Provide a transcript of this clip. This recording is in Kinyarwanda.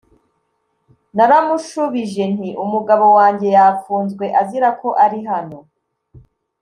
Naramushubije nti umugabo wanjye yafunzwe azira ko ari hano